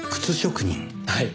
はい。